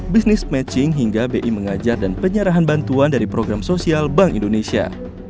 bisnis matching hingga bi mengajar dan penyerahan bantuan dari program sosial bank indonesia